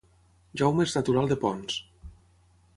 Jaume és natural de Ponts